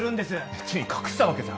別に隠したわけじゃ